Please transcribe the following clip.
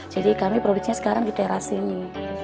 jadi kami produksinya sekarang di teras ini